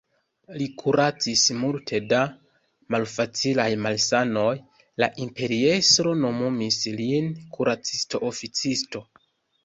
Li kuracis multe da malfacilaj malsanoj, la imperiestro nomumis lin kuracisto-oficisto.